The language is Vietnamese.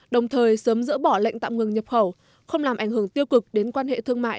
đồng thời sớm dỡ bỏ lệnh tạm ngừng nhập khẩu không làm ảnh hưởng tiêu cực đến quan hệ thương mại